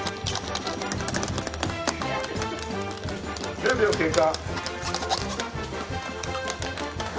１０秒経過。